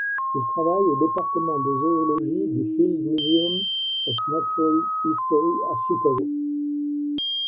Il travaille au département de zoologie du Field Museum of Natural History à Chicago.